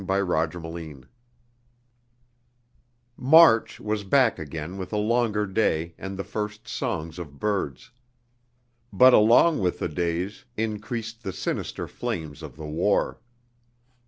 MARCH was back again with a longer day and the first songs of birds. But along with the days increased the sinister flames of the war.